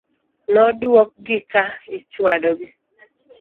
Nodwok gi ka ichwado gi .